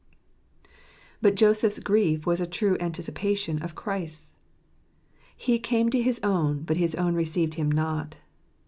But Joseph's grief was a true anticipation of Christ's. " He came to his own, but his own received Him not."